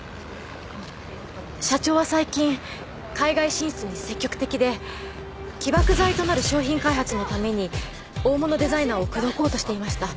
あっ社長は最近海外進出に積極的で起爆剤となる商品開発のために大物デザイナーを口説こうとしていました。